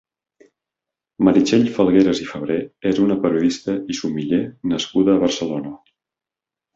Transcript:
Meritxell Falgueras i Febrer és una periodista i sumiller nascuda a Barcelona.